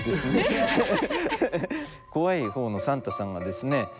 怖い方のサンタさんがですね